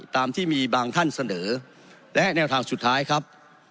ตามที่มีบางท่านเสนอและแนวทางสุดท้ายครับ